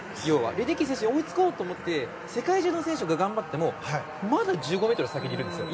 レデッキー選手に追いつこうと思って世界中の選手が頑張ってもまだ１５ｍ先にいるんですよ。